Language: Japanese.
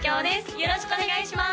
よろしくお願いします！